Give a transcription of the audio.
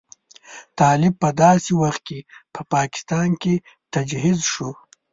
طالب په داسې وخت کې په پاکستان کې تجهیز شو.